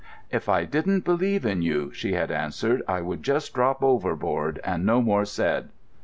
"If I didn't believe in you," she had answered, "I would just drop overboard, and no more said."...